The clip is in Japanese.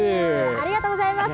ありがとうございます。